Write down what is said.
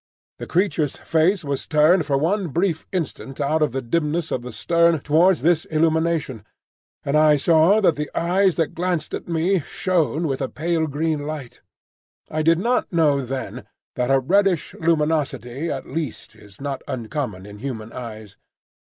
The creature's face was turned for one brief instant out of the dimness of the stern towards this illumination, and I saw that the eyes that glanced at me shone with a pale green light. I did not know then that a reddish luminosity, at least, is not uncommon in human eyes.